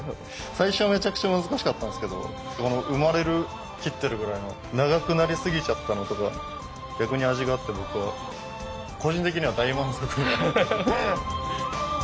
最初はめちゃくちゃ難しかったんですけどこの生まれる切ってるぐらいの長くなりすぎちゃったのとか逆に味があって僕個人的には大満足。